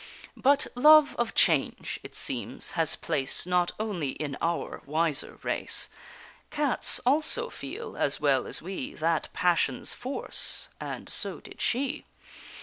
But love of change, it seems, has place Not only in our wiser race; Cats also feel, as well as we, That passion's force, and so did she.